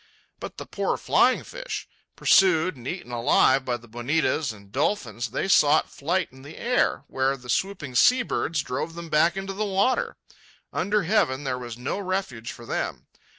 But the poor flying fish! Pursued and eaten alive by the bonitas and dolphins, they sought flight in the air, where the swooping seabirds drove them back into the water. Under heaven there was no refuge for them.